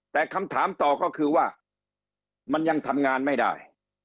แต่คำถามต่อก็คือว่ามันยังทำงานไม่ได้